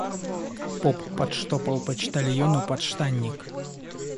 Поп подштопал почтальону подштанник.